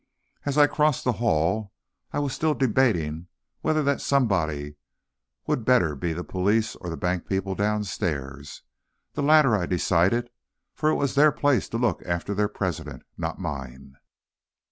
As I crossed the hall, I was still debating whether that somebody would better be the police or the bank people downstairs. The latter, I decided, for it was their place to look after their president, not mine.